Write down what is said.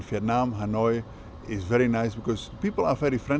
và người ở hà nội rất vui vì họ rất thân thiện